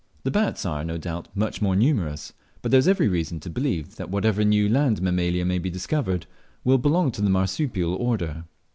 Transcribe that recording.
The bats are, no doubt, much more numerous, but there is every reason to believe that whatever new land Mammalia man be discovered will belong to the marsupial order.